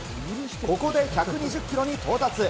ここで１２０キロに到達。